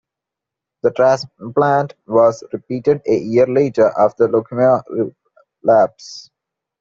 The transplant was repeated a year later after a leukemia relapse.